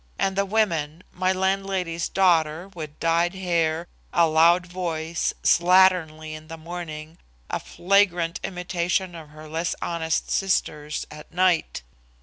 And the women my landlady's daughter, with dyed hair, a loud voice, slatternly in the morning, a flagrant imitation of her less honest sisters at night!